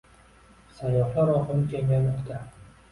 Sayyohlar oqimi kengaymoqda